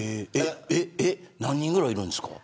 何人ぐらいいるんですか。